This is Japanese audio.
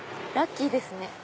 ラッキーですね！